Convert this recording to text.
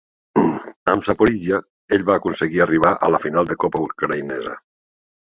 Amb Zaporizhya, ell va aconseguir arribar a la final de copa ucraïnesa.